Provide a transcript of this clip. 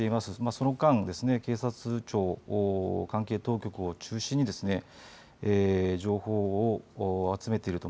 その間、警察庁関係当局を中心にですね情報を集めていると。